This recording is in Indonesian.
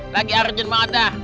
lagi urgent banget dah